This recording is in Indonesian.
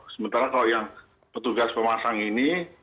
sementara kalau yang petugas pemasang ini